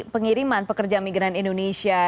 pengiriman pekerja migran indonesia